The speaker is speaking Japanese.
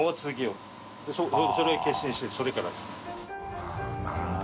あぁなるほど。